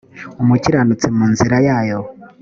umukiranutsi mu nzira yayo